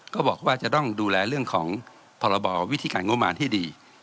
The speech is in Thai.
ก็บอกว่าจะต้องดูแลเรื่องของพรบวิธีการงบมารที่ดี